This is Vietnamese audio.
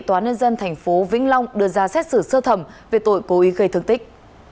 tòa nhân dân tp vĩnh long đưa ra xét xử sơ thẩm về tội cố ý gây thương tích